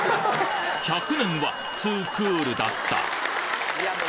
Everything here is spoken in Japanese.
１００年は２クールだったいや